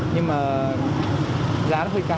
nhưng mà giá nó hơi cao